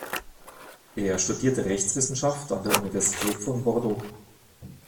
Er studierte Rechtswissenschaft an der Universität von Bordeaux.